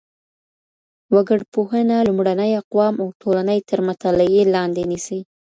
وګړپوهنه لومړني اقوام او ټولني تر مطالعې لاندي نيسي.